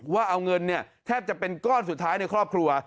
ว่าเอาเงินเนี่ยแทบจะเป็นก้อนสุดท้ายในครอบครัว